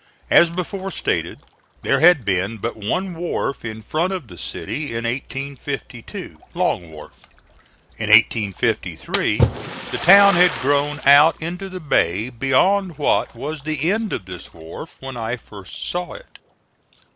As before stated, there had been but one wharf in front of the city in 1852 Long Wharf. In 1853 the town had grown out into the bay beyond what was the end of this wharf when I first saw it.